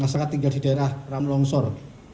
masyarakat tinggal di daerah ram longsor